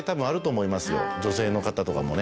女性の方とかもね